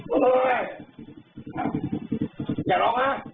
โอ้โฮ